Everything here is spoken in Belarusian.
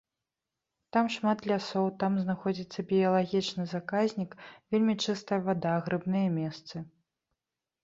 Там шмат лясоў, там знаходзіцца біялагічны заказнік, вельмі чыстая вада, грыбныя месцы.